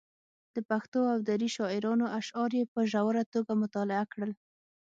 د پښتو او دري شاعرانو اشعار یې په ژوره توګه مطالعه کړل.